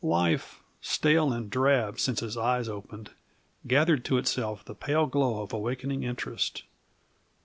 Life, stale and drab since his eyes opened, gathered to itself the pale glow of awakening interest.